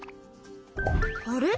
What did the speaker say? あれ？